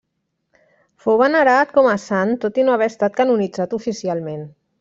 Fou venerat com a sant tot i no haver estat canonitzat oficialment.